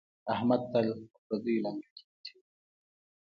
احمد تل په پردیو لانجو کې گوتې وهي